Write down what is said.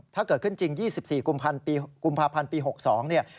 ถ้าเกิดขึ้นจริง๒๔กุมภาพันธ์ปี๖๒เนี่ย